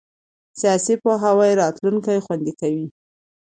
سیاسي پوهاوی راتلونکی خوندي کوي